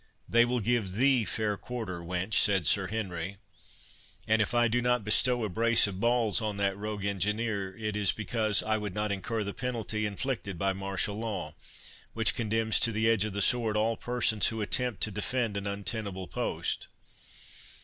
"They will give thee fair quarter, wench," said Sir Henry; "and if I do not bestow a brace of balls on that rogue engineer, it is because I would not incur the penalty inflicted by martial law, which condemns to the edge of the sword all persons who attempt to defend an untenable post.